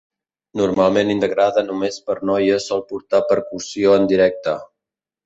Normalment integrada només per noies sol portar percussió en directe.